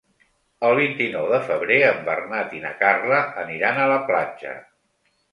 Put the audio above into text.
El vint-i-nou de febrer en Bernat i na Carla aniran a la platja.